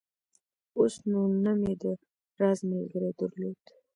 اوس نو نه مې د راز ملګرى درلود.